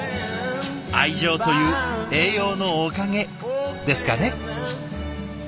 愛情という栄養のおかげですかね。